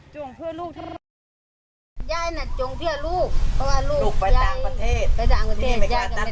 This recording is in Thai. จะสั่นลูกไปตะนกตะห้างกะหิดตั๊ด